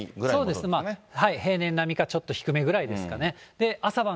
そうです、平年並みか、ちょっと低めぐらいですかね。